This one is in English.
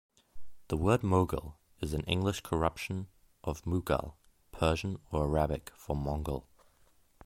The word "mogul" is an English corruption of "mughal", Persian or Arabic for "Mongol".